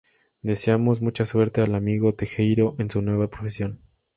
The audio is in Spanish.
Deseamos mucha suerte al amigo Tejeiro en su nueva profesión".